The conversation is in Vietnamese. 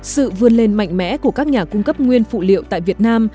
sự vươn lên mạnh mẽ của các nhà cung cấp nguyên phụ liệu tại việt nam